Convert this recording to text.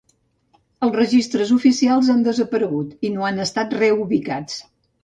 Els registres oficials han desaparegut i no han estat reubicats.